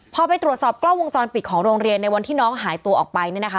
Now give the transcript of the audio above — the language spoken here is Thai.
พอไปตรวจสอบกล้องวงจรปิดของโรงเรียนในวันที่น้องหายตัวออกไปเนี่ยนะคะ